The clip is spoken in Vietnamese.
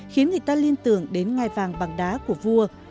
khiến người ta liên tưởng đến ngai vàng bằng đá của vua